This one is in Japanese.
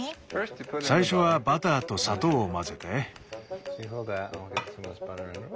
最初はバターと砂糖を混ぜて。